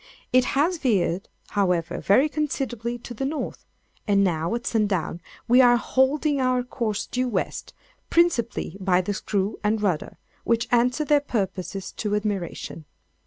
It has veered, however, very considerably to the north; and now, at sundown, we are holding our course due west, principally by the screw and rudder, which answer their purposes to admiration.